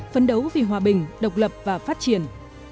phấn đấu vì hòa bình độc lập và phát triển